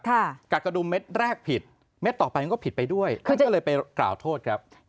กักกระดุมเม็ดแรกผิดเม็ดต่อไปมันก็ผิดไปด้วยท่านก็เลยไปกล่าวโทษครับ